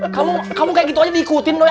kamu kayak gitu aja diikutin doi